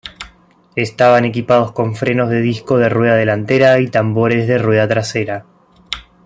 Estaban equipados con frenos de disco de rueda delantera y tambores de rueda trasera.